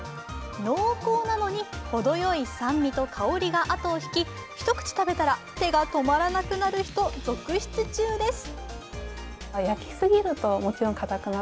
濃厚なのに程よい酸味と香りがあとをひき、一口食べたら手が止まらなくなる人続出中です。